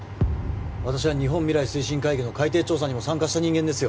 私は日本未来推進会議の海底調査にも参加した人間ですよ